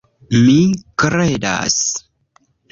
Mi kredas!